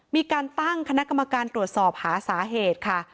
มีการตั้งคณะกรรมการตรวจสอบหาสาเหตุค่ะ